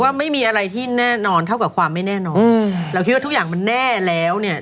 ว่าไม่มีอะไรที่แน่นอนเท่ากับความไม่แน่นอนอืมเราคิดว่าทุกอย่างมันแน่แล้วเนี่ย